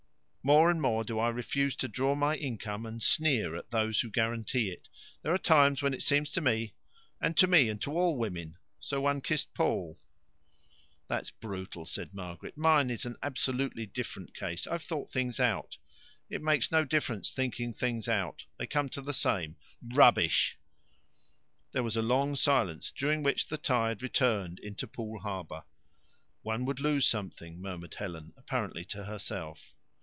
More and more do I refuse to draw my income and sneer at those who guarantee it. There are times when it seems to me " "And to me, and to all women. So one kissed Paul." "That's brutal," said Margaret. "Mine is an absolutely different case. I've thought things out." "It makes no difference thinking things out. They come to the same." " Rubbish!" There was a long silence, during which the tide returned into Poole Harbour. "One would lose something," murmured Helen, apparently to herself.